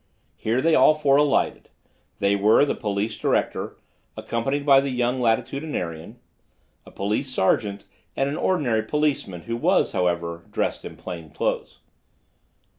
Here they all four alighted; they were the police director, accompanied by the young Latitudinarian, a police sergeant and an ordinary policeman, who was, however, dressed in plain clothes.